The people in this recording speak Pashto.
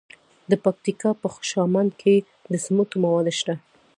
د پکتیکا په خوشامند کې د سمنټو مواد شته.